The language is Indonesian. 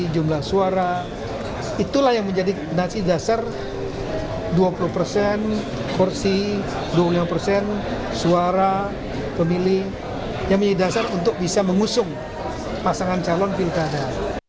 jumlah suara itulah yang menjadi nasi dasar dua puluh persen kursi dua puluh lima persen suara pemilih yang menjadi dasar untuk bisa mengusung pasangan calon pilkada